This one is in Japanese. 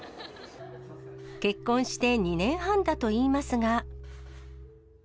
結婚して２年半だといいますが。